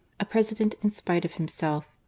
A PRESIDENT IN SPITE OF HIMSELF. 1869.